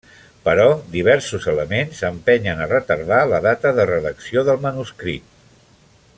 Però diversos elements empenyen a retardar la data de redacció del manuscrit.